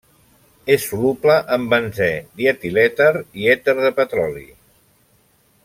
És soluble en benzè, dietilèter i èter de petroli.